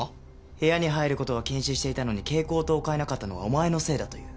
部屋に入る事は禁止していたのに蛍光灯を換えなかったのはお前のせいだと言う。